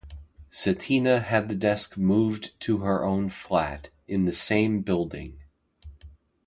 Satina had the desk moved to her own flat, in the same building.